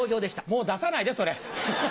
もう出さないでそれ。